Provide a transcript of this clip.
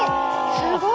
すごい。